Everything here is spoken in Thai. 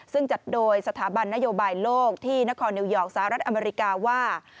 ซึ่งจัดโดยสถาบันนโยบายโลกที่นครนิวยอร์กสหรัฐอเมริกาว่า